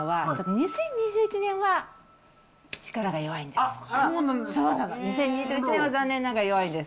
２０２１年は残念ながら弱いんです。